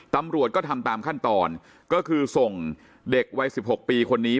ตำรวจก็ทำตามขั้นตอนก็คือส่งเด็กวัย๑๖ปีคนนี้